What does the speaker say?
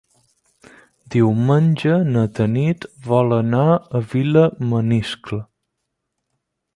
Diumenge na Tanit vol anar a Vilamaniscle.